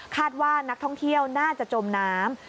ว่านักท่องเที่ยวน่าจะจมน้ำ